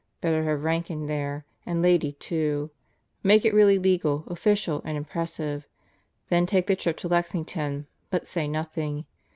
Better have Rankin there, and Lady, too. Make it really legal, official, and impressive. Then take the trip to Lexington, but say nothing.